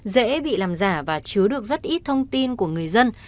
dễ bị làm giả và chứa được rất ít thông tin của người dân